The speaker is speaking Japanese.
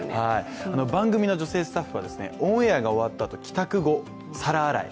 番組の女性スタッフは、オンエアが終わったあと、帰宅後、皿洗い。